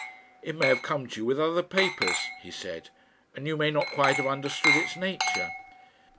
"It may have come to you with other papers," he said, "and you may not quite have understood its nature."